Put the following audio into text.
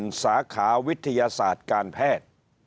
ที่แด่นสาขาวิทยาศาสตร์การแพทย์